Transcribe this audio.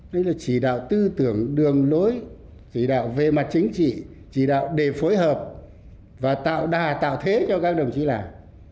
đây là chỉ đạo tư tưởng đường lối chỉ đạo về mặt chính trị chỉ đạo để phối hợp và tạo đà tạo thế cho các đồng chí làm